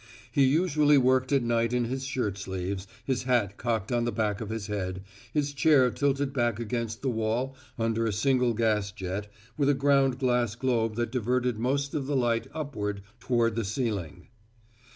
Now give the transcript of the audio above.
He usually worked at night in his shirt sleeves, his hat cocked on the back of his head, his chair tilted back against the wall under a single gas jet with a ground glass globe that diverted most of the light upward toward the ceiling.